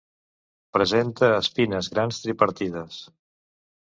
Presenta espines grans tripartides.